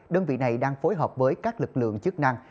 đơn vị này đang phối hợp với các lực lượng chức năng